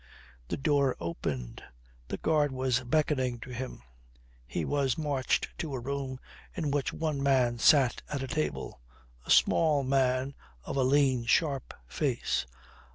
The door opened. The guard was beckoning to him. He was marched to a room in which one man sat at a table, a small man of a lean, sharp face.